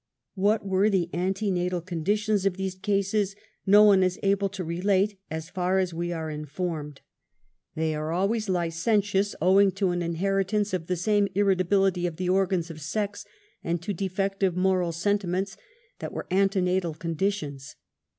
What were the' antenatal conditions of these cases, no one is able to relate, as far as we are informed. They are always licentious, owing to an inheritance ' of the same irritability of the organs of sex, and to defective moral sentiments that were antenatal con ditions.